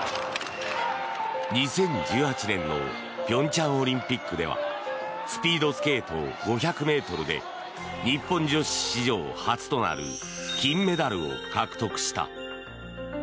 ２０１８年の平昌オリンピックではスピードスケート５００ｍで日本女子史上初となる金メダルを獲得した。